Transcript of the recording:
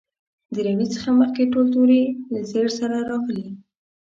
د روي څخه مخکې ټول توري له زېر سره راغلي.